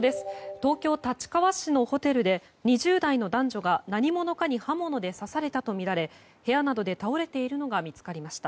東京・立川市のホテルで２０代の男女が何者かに刃物で刺されたとみられ部屋などで倒れているのが見つかりました。